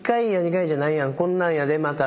こんなんやでまた。